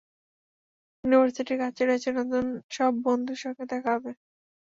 University কাছেই রয়েছে, নতুন সব বন্ধুর সঙ্গে দেখা হবে।